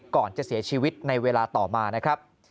ก่อนจะเสียชีวิตในเวลาต่อมานะครับ